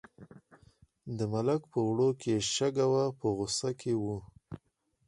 د ملک په وړو کې شګه وه په غوسه کې و.